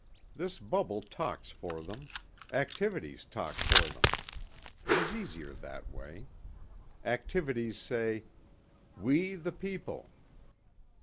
This bubble talks for them. Activities talk for them. It is easier that way. Activities say, "We, the people."